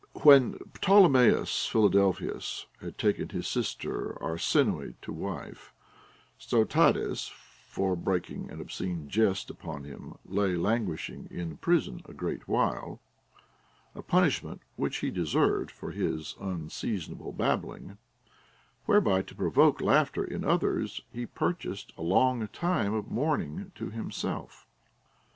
AVlien Ptolemaeus Philadelphus had taken his sister Arsinoe to wife, Sotades for breaking an obscene jest* upon him lay languishing in prison a great while ; a punishment which he deserved for his un seasonable babbling, whereby to provoke laughter in others he purchased a long time of mourning to himself.